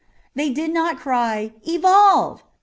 ' They did not cry ' Evolve